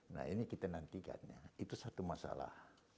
nah ini kita nantikan ya itu satu masalah